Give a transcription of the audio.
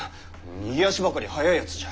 逃げ足ばかり速いやつじゃ。